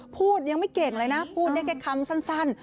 พูดยังไม่เก่งเลยนะพูดได้แค่คำสั้น